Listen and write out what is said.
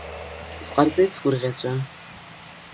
Сҟарҵеит сгәырӷьаҵәа.